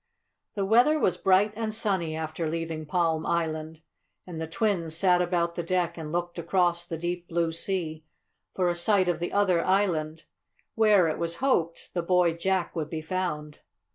The weather was bright and sunny after leaving Palm Island, and the twins sat about the deck and looked across the deep, blue sea for a sight of the other island, where, it was hoped, the boy Jack would be found.